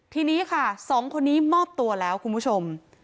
ทีนี้ค่ะ๒คนนี้มอบตัวแล้วคุณผู้ชม